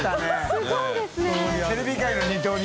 すごいですね。